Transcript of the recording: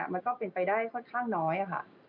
มันก็เป็นไปได้ค่อนข้างน้อยค่ะ